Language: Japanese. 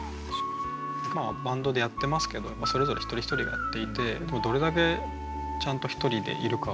バンドでやってますけどそれぞれ一人一人がやっていてどれだけちゃんと一人でいるかが大事だと思いますね。